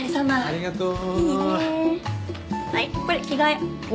ありがとう。